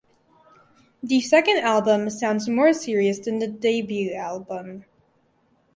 The second album sounds more serious than the debut album.